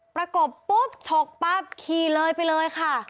ประกบปุ๊บฉกปั๊บขี่เลยไปเลยค่ะ